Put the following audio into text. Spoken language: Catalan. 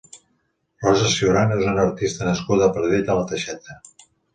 Rosa Ciurana és una artista nascuda a Pradell de la Teixeta.